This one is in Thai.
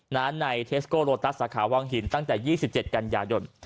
ในเทสโกโลตัสสาขาวังหินตั้งแต่๒๗กันยายน